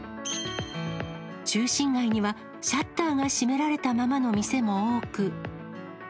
中心街には、シャッターが閉められたままの店も多く。